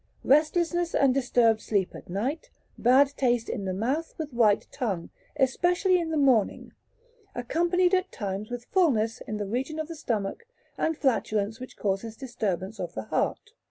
restlessness and disturbed sleep at night, bad taste in the mouth, with white tongue, especially in the morning, accompanied at times with fulness in the region of the stomach, and flatulence which causes disturbance of the heart.